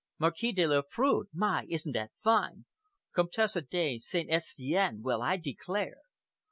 "Marquise de Lafoudrè! My, isn't that fine!" "Comtesse de St. Estien! Well, I declare!"